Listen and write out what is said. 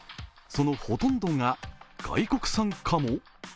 そのほとんどが外国産かも？